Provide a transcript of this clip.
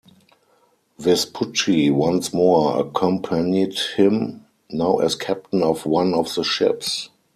Vespucci once more accompanied him, now as captain of one of the ships.